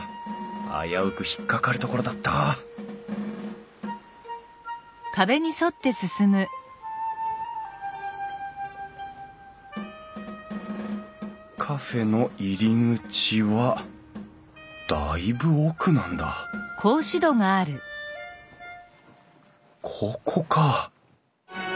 危うく引っ掛かるところだったカフェの入り口はだいぶ奥なんだここか！